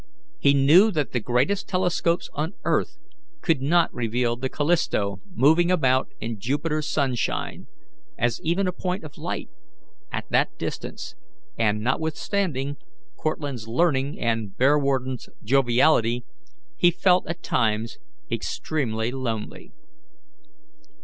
He knew that the greatest telescopes on earth could not reveal the Callisto moving about in Jupiter's sunshine, as even a point of light, at that distance, and, notwithstanding Cortlandt's learning and Bearwarden's joviality, he felt at times extremely lonely.